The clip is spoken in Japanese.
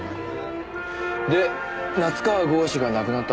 で夏河郷士が亡くなったあとは。